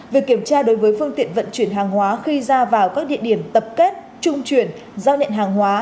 việc kiểm tra đối với phương tiện vận chuyển hàng hóa khi ra vào các địa điểm tập kết trung chuyển giao nhận hàng hóa